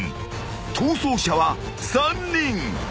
［逃走者は３人］